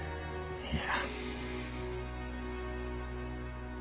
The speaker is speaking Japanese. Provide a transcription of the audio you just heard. いや。